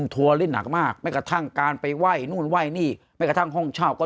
ทัวร์เล่นหนักมากแม้กระทั่งการไปไหว้นู่นไหว้นี่แม้กระทั่งห้องเช่าก็